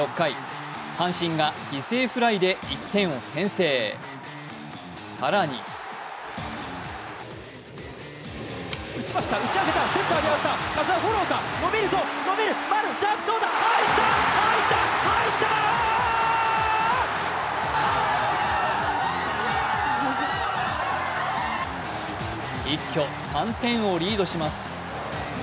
試合は６回、阪神が犠牲フライで１点を先制、更に一挙３点をリードします。